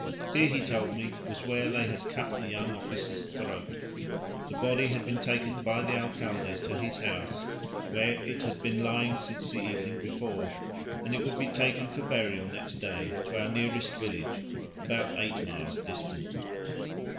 Here, he told me, was where they had cut the young officer's throat: the body had been taken by the Alcalde to his house, where it had been lying since the evening before, and it would be taken for burial next day to our nearest village, about eight miles distant.